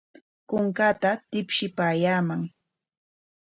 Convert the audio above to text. Kunkaata tipshipaayaaman.